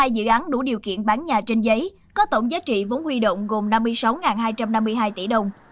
một mươi dự án đủ điều kiện bán nhà trên giấy có tổng giá trị vốn huy động gồm năm mươi sáu hai trăm năm mươi hai tỷ đồng